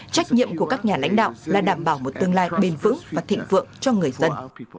trách nhiệm của các nhà lãnh đạo là đảm bảo một tương lai bền vững và thịnh vượng cho người dân